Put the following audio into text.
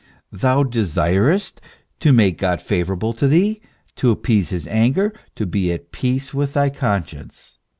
Thou desirest to make God favourable to thee, to appease his anger, to be at peace with thy conscience.